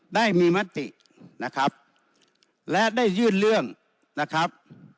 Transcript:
ได้มีมตินะครับและได้ยื่นเรื่องนะครับ